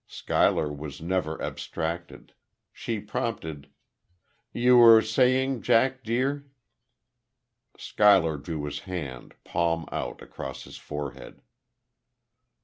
Schuyler was never abstracted. She prompted: "You were saying, Jack, dear " Schuyler drew his hand, palm out, across his forehead.